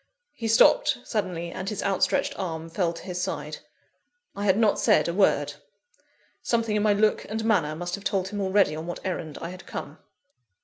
He stopped suddenly, and his outstretched arm fell to his side. I had not said a word. Something in my look and manner must have told him already on what errand I had come.